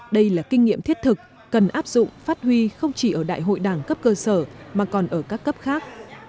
đây là kinh nghiệm thiết thực cần áp dụng phát huy không chỉ ở đại hội đảng cấp cơ sở mà còn ở các cấp khác